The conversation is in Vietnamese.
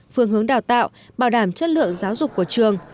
phương hướng đào tạo bảo đảm chất lượng giáo dục của trường